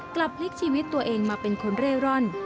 กลับพลิกชีวิตตัวเองมาเป็นคนเร่ร่อน